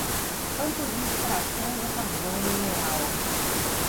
Campo de extração de carvão mineral